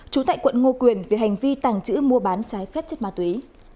trú tại quận ngô quyền về hành vi tàng trữ mua bán trái phép chất ma túy